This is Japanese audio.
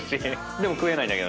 でも食えないんだけどね。